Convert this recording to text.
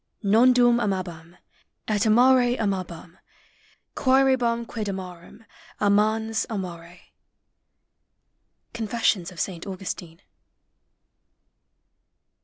Nondum aniabam, et amare amabani, quaerebam quid amarem, amans amare.'' — Confessions of Saint Augustine.